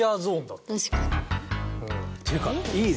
っていうかいいね。